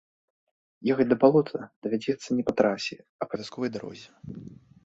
Ехаць да балота давядзецца не па трасе, а па вясковай дарозе.